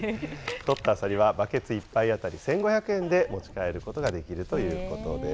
採ったアサリはバケツ１杯当たり１５００円で持ち帰ることができるということです。